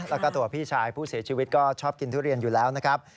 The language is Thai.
แล้วก็ตัวพี่ชายผู้เสียชีวิตก็ชอบกินทุเรียนอยู่แล้วนะครับ